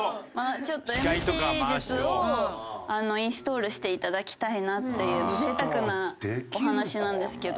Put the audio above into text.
ちょっとＭＣ術をインストールしていただきたいなっていう贅沢なお話なんですけど。